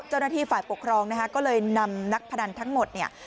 เจ้าหน้าที่ฝ่ายปกครองนะคะก็เลยนำนักพนันทั้งหมดเนี่ย